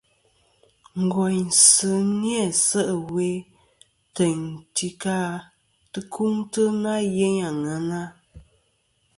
Ngòynsɨ ni-æ se' ɨwe tèyn tɨ ka tɨkuŋtɨ na yeyn àŋena.